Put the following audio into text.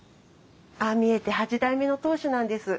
ああ見えて八代目の当主なんです。